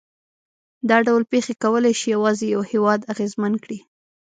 دا ډول پېښې کولای شي یوازې یو هېواد اغېزمن کړي.